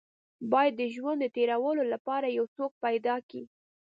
بايد د ژوند د تېرولو لپاره يو څوک پيدا کې.